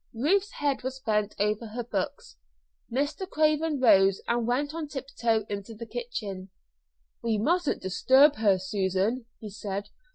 Ruth's head was bent over her books. Mr. Craven rose and went on tiptoe into the kitchen. "We mustn't disturb her, Susan," he said.